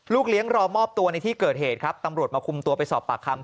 เลี้ยงรอมอบตัวในที่เกิดเหตุครับตำรวจมาคุมตัวไปสอบปากคำ